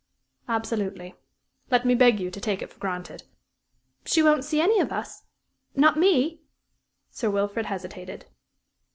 "Absolutely. Let me beg you to take it for granted." "She won't see any of us not me?" Sir Wilfrid hesitated.